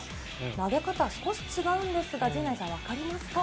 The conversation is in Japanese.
投げ方、少し違うんですが、陣内さん、分かりますか？